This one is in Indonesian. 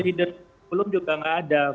hidden kurikulum juga tidak ada